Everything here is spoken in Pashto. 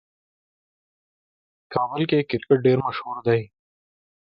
کابل کې کرکټ ډېر مشهور دی.